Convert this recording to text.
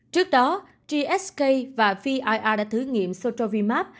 trước đó jsk và vir đã thử nghiệm strovimab